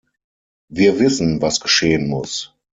Wir wissen, was geschehen muss.